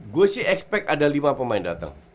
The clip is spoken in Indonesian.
gue sih expect ada lima pemain datang